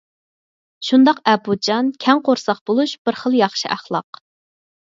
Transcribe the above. شۇنداق ئەپۇچان، كەڭ قورساق بولۇش بىر خىل ياخشى ئەخلاق.